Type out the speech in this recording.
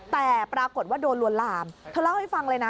แต่ปรากฏว่าโดนลวนลามเธอเล่าให้ฟังเลยนะ